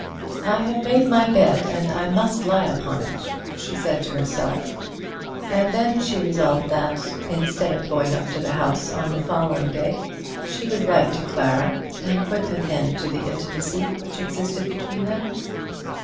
"I have made my bed, and I must lie upon it," she said to herself; and then she resolved that, instead of going up to the house on the following day, she would write to Clara, and put an end to the intimacy which existed between them.